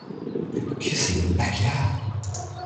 They were kissing in the backyard.